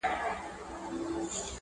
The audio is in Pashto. د هیلو تر مزاره مي اجل راته راغلی!!